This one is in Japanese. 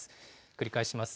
繰り返します。